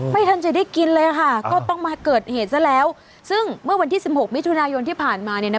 ไม่ทันจะได้กินเลยค่ะก็ต้องมาเกิดเหตุซะแล้วซึ่งเมื่อวันที่สิบหกมิถุนายนที่ผ่านมาเนี่ยนะ